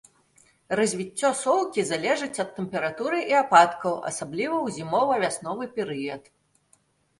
Развіццё соўкі залежыць ад тэмпературы і ападкаў, асабліва ў зімова-вясновы перыяд.